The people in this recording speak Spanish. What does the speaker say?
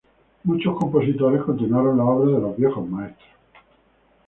Muchos compositores continuaron la obra de los viejos maestros.